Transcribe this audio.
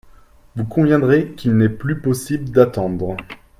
Vous conviendrez qu’il n’est plus possible d’attendre.